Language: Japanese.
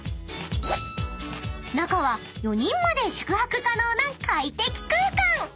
［中は４人まで宿泊可能な快適空間！］